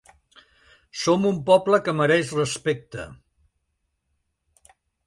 Som un poble que mereix respecte.